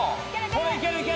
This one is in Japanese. これいけるいける。